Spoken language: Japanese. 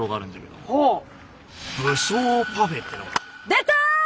出た！